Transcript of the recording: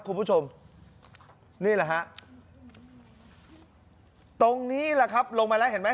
คุณผู้ชมนี่แหละฮะตรงนี้แหละครับลงมาแล้วเห็นไหม